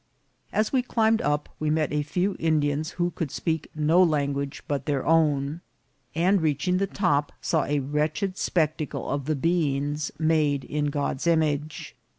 As we climbed up we met a few Indians who could speak no language but their own, and reaching the top, saw a wretched spectacle of the beings made in God's image.